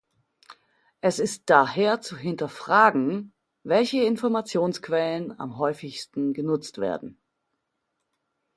Es ist daher zu hinterfragen, welche Informationsquellen am häufigsten genutzt werden.